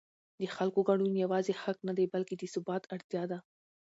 د خلکو ګډون یوازې حق نه دی بلکې د ثبات اړتیا ده